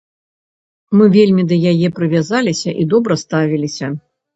Мы вельмі да яе прывязаліся і добра ставіліся.